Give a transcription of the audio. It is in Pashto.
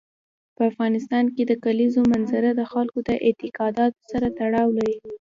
په افغانستان کې د کلیزو منظره د خلکو د اعتقاداتو سره تړاو لري.